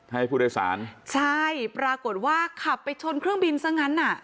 ให้ผู้โดยสารใช่ปรากฏว่าขับไปชนเครื่องบินซะงั้นอ่ะ